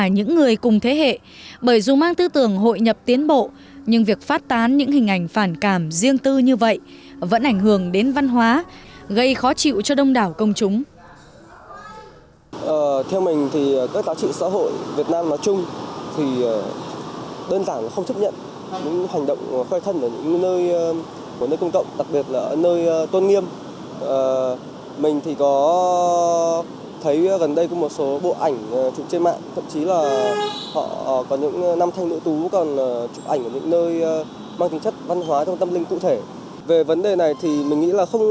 những người cùng thế hệ bởi dù mang tư tưởng hội nhập tiến bộ nhưng việc phát tán những hình ảnh phản cảm riêng tư như vậy vẫn ảnh hưởng đến văn hóa gây khó chịu cho đông đảo công chúng